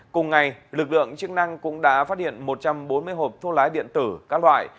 cùng ngày lực lượng chức năng cũng đã phát hiện một trăm bốn mươi hộp thuốc lái điện tử các loại